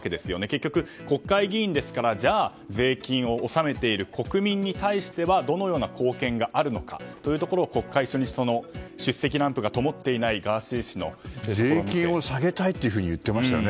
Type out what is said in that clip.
結局、国会議員ですから税金を納めている国民に対してどのような貢献があるのかを国会初日の出席ランプがともっていない税金を下げたいと言ってましたよね。